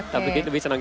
tapi itu lebih senang